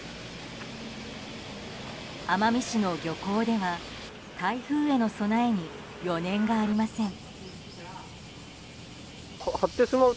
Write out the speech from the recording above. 奄美市の漁港では台風への備えに余念がありません。